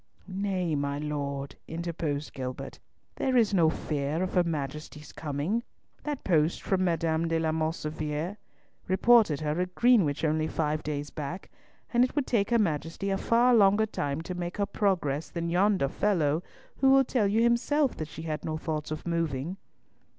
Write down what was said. "Nay, my Lord," interposed Gilbert, "there is no fear of her Majesty's coming. That post from M. de la Mauvissiere reported her at Greenwich only five days back, and it would take her Majesty a far longer time to make her progress than yonder fellow, who will tell you himself that she had no thoughts of moving."